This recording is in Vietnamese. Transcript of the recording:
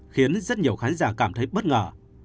khiến rất nhiều khán giả cảm thấy bất ngờ